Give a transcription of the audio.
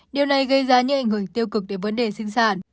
điều này gây ra những ảnh hưởng tiêu cực đến vấn đề sinh sản